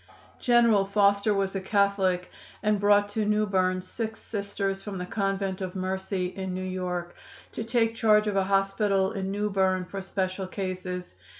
"General Foster was a Catholic and brought to New Berne six Sisters from the Convent of Mercy, in New York, to take charge of a hospital in New Berne for special cases.